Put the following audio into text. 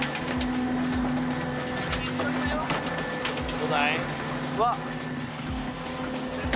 どうだい？